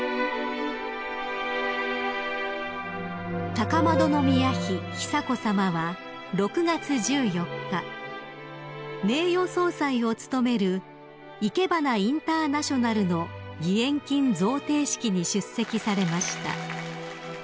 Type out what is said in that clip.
［高円宮妃久子さまは６月１４日名誉総裁を務めるいけばなインターナショナルの義援金贈呈式に出席されました］